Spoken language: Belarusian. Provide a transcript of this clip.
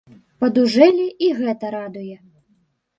Падужэлі, і гэта радуе.